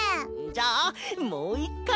じゃあもう１かい！